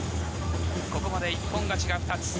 ここまで一本勝ちが２つ。